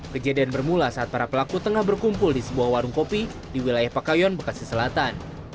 kejadian bermula saat para pelaku tengah berkumpul di sebuah warung kopi di wilayah pakayon bekasi selatan